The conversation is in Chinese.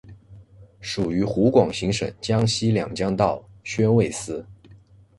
属于湖广行省广西两江道宣慰司。